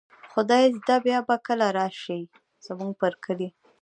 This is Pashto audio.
خدای زده بیا به کله را شئ، زموږ پر کلي